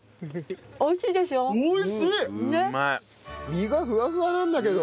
身がふわふわなんだけど。